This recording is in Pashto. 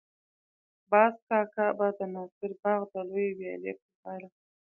باز کاکا به د ناصر باغ د لویې ويالې پر غاړه.